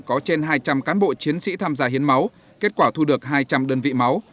có trên hai trăm linh cán bộ chiến sĩ tham gia hiến máu kết quả thu được hai trăm linh đơn vị máu